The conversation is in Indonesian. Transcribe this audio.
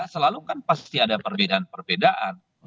selalu kan pasti ada perbedaan perbedaan